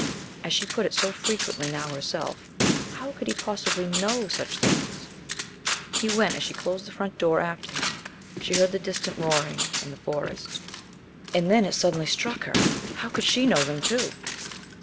As she put it so frequently now herself How could he possibly know such things? He went. As she closed the front door after him she heard the distant roaring in the Forest. And then it suddenly struck her: How could she know them too?